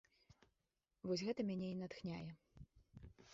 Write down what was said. Вось гэта мяне і натхняе.